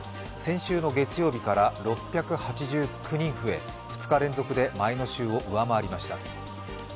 先週の月曜日から６８９人増え２日連続で前の週を上回りました。